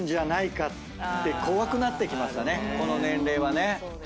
この年齢はね。